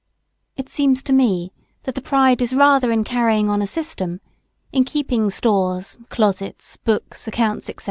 It seems to me that the pride is rather in carrying on a system, in keeping stores, closets, books, accounts, &c.